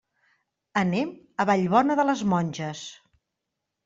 Anem a Vallbona de les Monges.